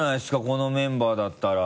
このメンバーだったら。